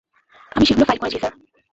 আমি সেগুলো ফাইল করেছি, স্যার।